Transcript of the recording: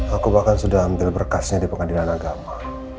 aku bahkan sudah ambil berkasnya di pengadilan agama